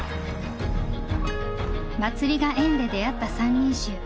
祭りが縁で出会った三人衆。